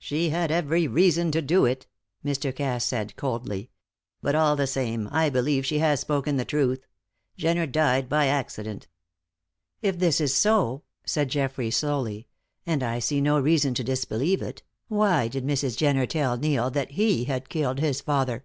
"She had every reason to do it," Mr. Cass said, coldly, "but all the same, I believe she has spoken the truth. Jenner died by accident." "If this is so," said Geoffrey, slowly, "and I see no reason to disbelieve it, why did Mrs. Jenner tell Neil that she had killed his father?"